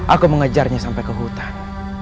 aku mengejarnya sampai ke hutan